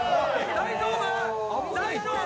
大丈夫！？